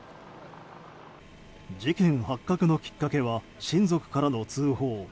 事件発覚のきっかけは親族からの通報。